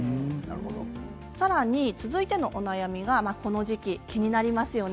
続いての悩みがこの時期、気になりますよね。